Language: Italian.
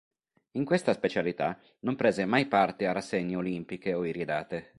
In questa specialità non prese mai parte a rassegne olimpiche o iridate.